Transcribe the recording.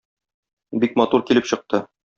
Бик матур килеп чыкты.